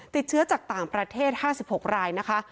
ติดเชื้อจากต่างประเทศ๕๖รายนะคะ